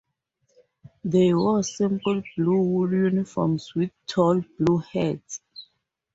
They wore simple blue wool uniforms with tall blue hats.